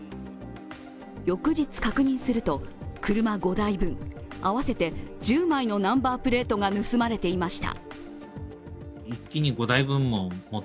翌日、確認すると、車５台分、合わせて１０枚のナンバープレートが盗まれていました。